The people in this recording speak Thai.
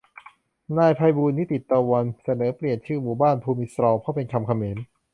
นายไพบูลย์ นิติตะวัน เสนอเปลี่ยนชื่อหมู่บ้าน "ภูมิซรอล" เพราะเป็นคำเขมร